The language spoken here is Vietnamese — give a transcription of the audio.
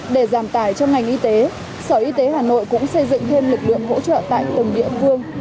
để giảm tải cho ngành y tế sở y tế hà nội cũng xây dựng thêm lực lượng hỗ trợ tại từng địa phương